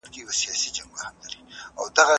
کمپيوټر مسافر ته لارښوونه کوي.